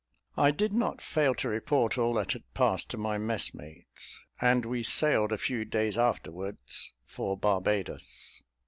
I did not fail to report all that had passed to my messmates, and we sailed a few days afterwards for Barbadoes.